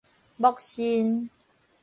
揍身